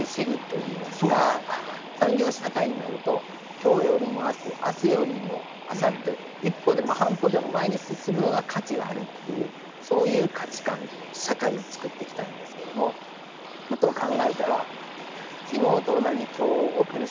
産業社会になると今日よりも明日明日よりもあさって一歩でも半歩でも前に進むのが価値があるっていうそういう価値観の社会をつくってきたんですけどもふと考えたら昨日と同じ今日を送る幸せっていう価値観だって